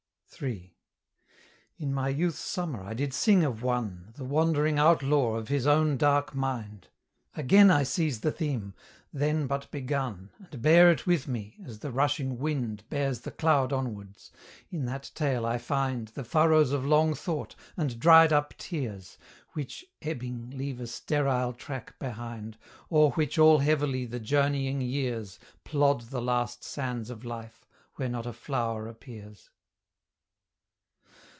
III. In my youth's summer I did sing of One, The wandering outlaw of his own dark mind; Again I seize the theme, then but begun, And bear it with me, as the rushing wind Bears the cloud onwards: in that tale I find The furrows of long thought, and dried up tears, Which, ebbing, leave a sterile track behind, O'er which all heavily the journeying years Plod the last sands of life where not a flower appears.